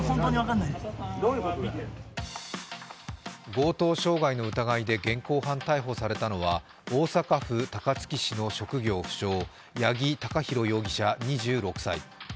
強盗傷害の疑いで現行犯逮捕されたのは大阪府高槻市の職業不詳、八木貴寛容疑者２６歳。